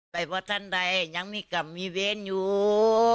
ว่าท่านใดยังมีกรรมมีเวรอยู่